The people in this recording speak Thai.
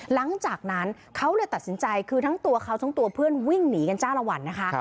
หลังจากนั้นเขาเลยตัดสินใจคือทั้งตัวเขาทั้งตัวเพื่อนวิ่งหนีกันจ้าละวันนะคะ